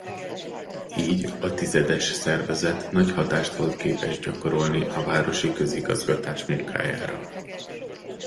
Így a Tizedes szervezet nagy hatást volt képes gyakorolni a városi közigazgatás munkájára.